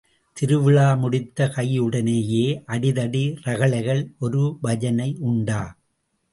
திருவிழா முடித்த கையுடனேயே அடிதடி ரகளைகள், ஒரு பஜனை உண்டா?